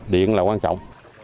điện là quan trọng